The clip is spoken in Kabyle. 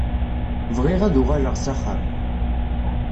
Bɣiɣ ad uɣaleɣ s axxam.